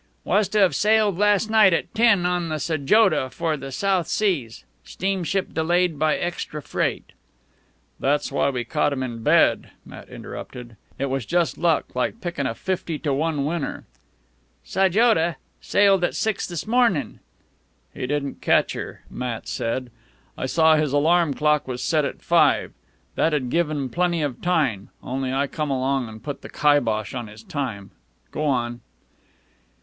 "Was to have sailed last night at ten on the Sajoda for the South Seas steamship delayed by extra freight " "That's why we caught 'm in bed," Matt interrupted. "It was just luck like pickin' a fifty to one winner." "Sajoda sailed at six this mornin' " "He didn't catch her," Matt said. "I saw his alarm clock was set at five. That'd given 'm plenty of time ... only I come along an' put the kibosh on his time. Go on."